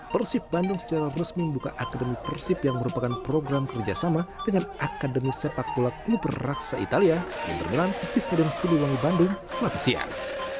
persib bandung secara resmi membuka akademi persib yang merupakan program kerjasama dengan akademi sepak bola klub raksa italia yang bermilan di stadion siliwangi bandung selasa siang